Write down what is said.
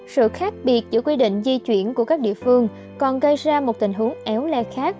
sự khác biệt giữa quy định di chuyển của các địa phương còn gây ra một tình huống éo le khác